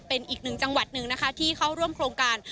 เป็นอีกหนึ่งจังหวัดหนึ่งนะคะที่เข้าร่วมโครงการ